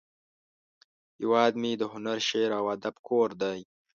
هیواد مې د هنر، شعر، او ادب کور دی